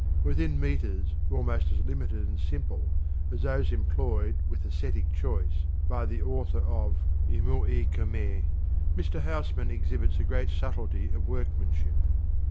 Within metres almost as limited and simple as those employed with ascetic choice by the author of "Emaux et Camees," Mr. Housman exhibits a great subtlety of workmanship.